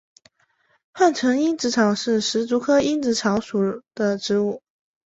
汉城蝇子草是石竹科蝇子草属的植物。